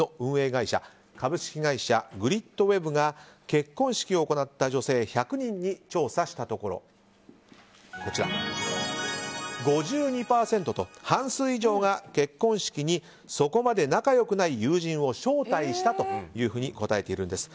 会社株式会社グリットウェブが結婚式を行った女性１００人に調査したところ５２％と半数以上が結婚式にそこまで仲良くない友人を招待したと答えているんです。